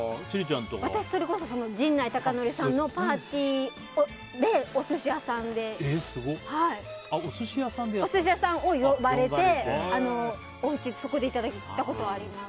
私それこそ陣内孝則さんのパーティーでお寿司屋さんを呼ばれてそこでいただいたことはあります